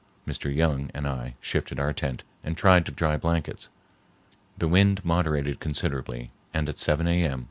Mr. Young and I shifted our tent and tried to dry blankets. The wind moderated considerably, and at 7 A.M.